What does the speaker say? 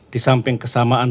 di samping kesamaan